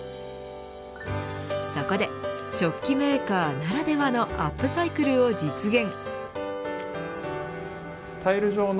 そこで食器メーカーならではのアップサイクルを実現。